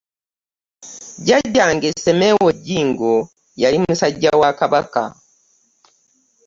Jjajjange Semewo Jjingo yali musajja wa Kabaka.